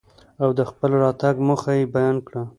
او دخپل راتګ موخه يې بيان کره.